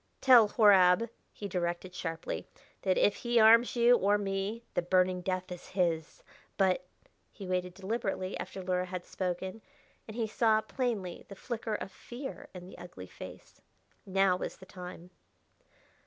"Tell Horab," he directed sharply, "that if be harms you or me the burning death is his! But " He waited deliberately after Luhra had spoken, and he saw plainly the flicker of fear in the ugly face. Now was the time.